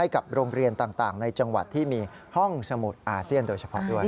กับโรงเรียนต่างในจังหวัดที่มีห้องสมุดอาเซียนโดยเฉพาะด้วย